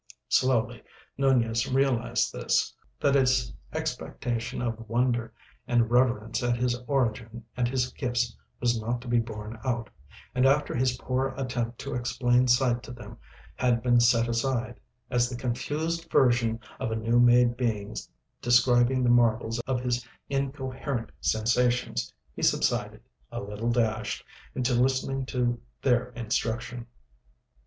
Slowly Nunez realised this: that his expectation of wonder and reverence at his origin and his gifts was not to be borne out; and after his poor attempt to explain sight to them had been set aside as the confused version of a new made being describing the marvels of his incoherent sensations, he subsided, a little dashed, into listening to their instruction.